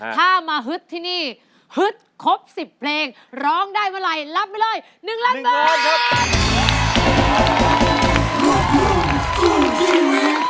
ถ้ามาฮึดที่นี่ฮึดครบ๑๐เพลงร้องได้เมื่อไหร่รับไปเลย๑ล้านบาท